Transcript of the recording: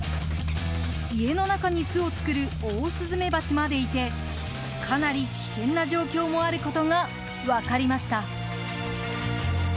家の中に巣を作るオオスズメバチまでいてかなり危険な状況もあることが分かりました。